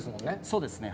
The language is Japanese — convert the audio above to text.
そうですね。